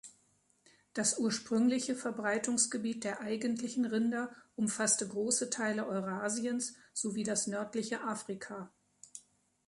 Das ursprüngliche Verbreitungsgebiet der Eigentlichen Rinder umfasste große Teile Eurasiens sowie das nördliche Afrika.